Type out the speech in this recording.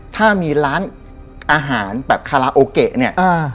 ถ้ามีร้านอาหารแบบคาราโอเกะเนี่ย